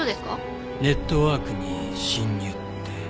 ネットワークに侵入って。